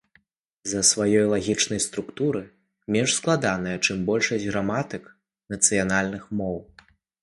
З-за сваёй лагічнай структуры менш складаная, чым большасць граматык нацыянальных моў.